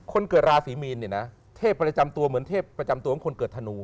คนเกิดราศีมีนเนี่ยนะเทพประจำตัวเหมือนเทพประจำตัวของคนเกิดธนู